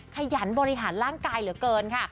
ขยันบริหารร่างกายเหลือเกินค่ะ